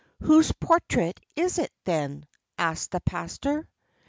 "Whose portrait is it, then?" asked the pastor.